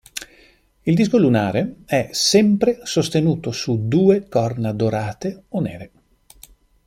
Il disco lunare è sempre sostenuto su due corna dorate o nere.